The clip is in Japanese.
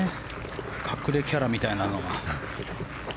隠れキャラみたいなのが。